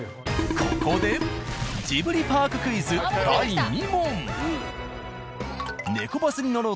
ここでジブリパーククイズ第２問。